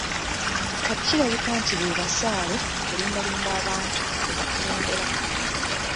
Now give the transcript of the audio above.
Kati kirabika nti be basaale mu kulimbalimba abantu be bakulembera.